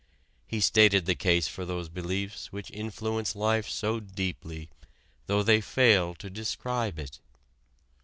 He stated the case for those beliefs which influence life so deeply, though they fail to describe it.